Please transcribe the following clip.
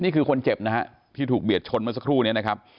นี่คือคนเจ็บนะฮะที่ถูกเบียดชนเมื่อสักครู่นี้นะครับ